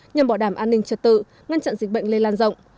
nhằm bảo đảm an ninh trật tự ngăn chặn dịch bệnh lây lan rộng